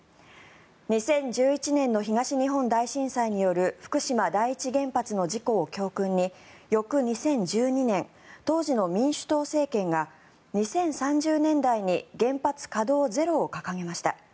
２０１１年の東日本大震災による福島第一原発の事故を教訓に翌２０１２年当時の民主党政権が２０３０年代に原発稼働ゼロを掲げました。